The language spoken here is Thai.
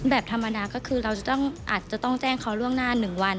แบบธรรมดาก็คือเราอาจจะต้องแจ้งเขาล่วงหน้า๑วัน